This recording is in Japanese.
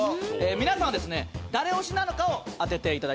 皆さんはですね誰推しなのかを当てていただきます